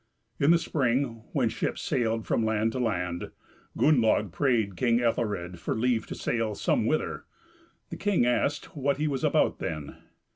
In the spring, when ships sailed from land to land, Gunnlaug prayed King Ethelred for leave to sail somewhither; the king asks what he was about then.